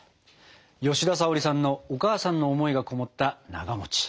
吉田沙保里さんのお母さんの思いがこもったなが。